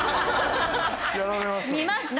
やられましたね。